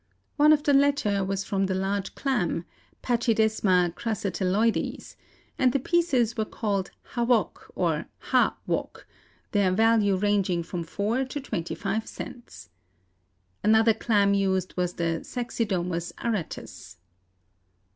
One of the latter was from the large clam, Pachydesma crassatelloides, and the pieces were called hawock or ha wok, their value ranging from four to twenty five cents. Another clam used was the Saxidomus aratus.